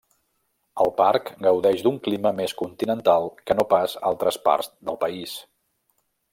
El parc gaudeix d'un clima més continental que no pas altres parts del país.